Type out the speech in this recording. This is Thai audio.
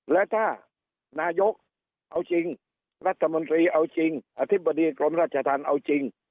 และถ้านายกเอาจริงรัฐมนตรีเอาจริงอธิบดีกรมราชธรรมเอาจริง